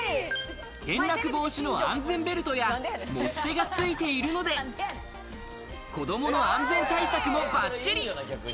転落防止の安全ベルトや、持ち手がついているので子供の安全対策もバッチリ！